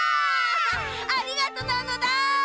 ありがとうなのだ！